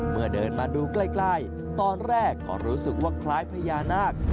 เมื่อเดินมาดูใกล้ตอนแรกก็รู้สึกว่าคล้ายพญานาค